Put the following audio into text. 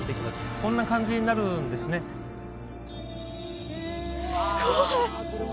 こんな感じになるんですねすごい！